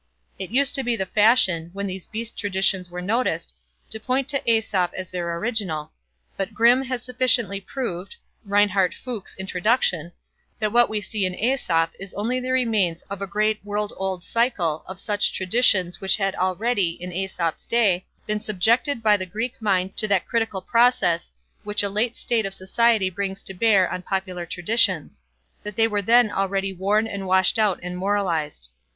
It used to be the fashion, when these Beast traditions were noticed, to point to Aesop as their original, but Grimm has sufficiently proved that what we see in Aesop is only the remains of a great world old cycle of such traditions which had already, in Aesop's day, been subjected by the Greek mind to that critical process which a late state of society brings to bear on popular traditions; that they were then already worn and washed out and moralized.